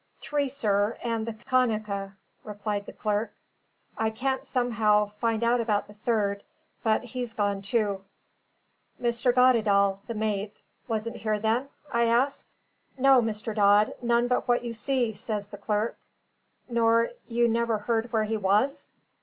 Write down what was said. "Three, sir, and the Kanaka," replied the clerk. "I can't somehow fin out about the third, but he's gone too." "Mr. Goddedaal, the mate, wasn't here then?" I asked. "No, Mr. Dodd, none but what you see," says the clerk. "Nor you never heard where he was?"